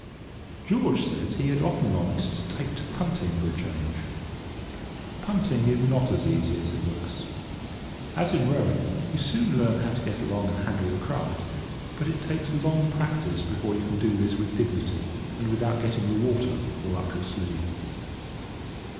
George said he had often longed to take to punting for a change. Punting is not as easy as it looks. As in rowing, you soon learn how to get along and handle the craft, but it takes long practice before you can do this with dignity and without getting the water all up your sleeve.